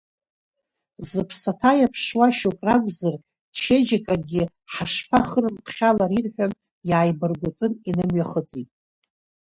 Зыԥсаҭа иаԥшуа шьоук ракәзар, чеиџьыкакгьы ҳашԥахырымԥхьалари рҳәан, иааибаргәытәын, инымҩахыҵит.